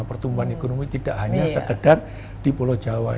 pertumbuhan ekonomi tidak hanya sekedar di pulau jawa